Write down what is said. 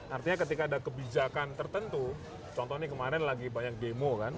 artinya ketika ada kebijakan tertentu contohnya kemarin lagi banyak demo kan